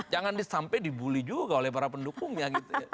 jangan sampai dibully juga oleh para pendukungnya